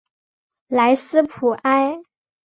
莱斯普埃。